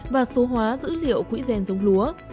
và số hóa dữ liệu quỹ ren giống lúa